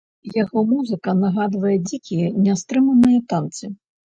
Яго музыка нагадвае дзікія, нястрыманыя танцы.